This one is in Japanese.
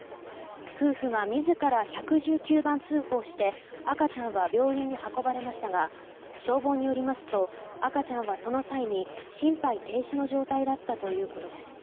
夫婦が自ら１１９番通報して赤ちゃんは病院に運ばれましたが消防によりますと赤ちゃんはその際に心肺停止の状態だったということです。